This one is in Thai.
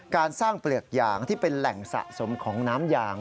การสร้างเปลือกยางที่เป็นแหล่งสะสมของน้ำยาง